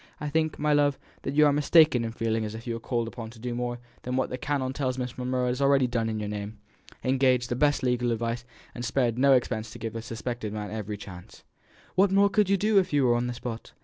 I think, my love, you are mistaken in feeling as if you were called upon to do more than what the canon tells me Miss Monro has already done in your name engaged the best legal advice, and spared no expense to give the suspected man every chance. What could you do more even if you were on the spot?